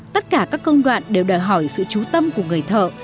tất cả các công đoạn đều đòi hỏi sự trú tâm của người thợ